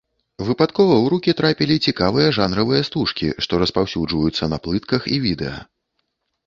Выпадкова ў рукі трапілі цікавыя жанравыя стужкі, што распаўсюджваюцца на плытках і відэа.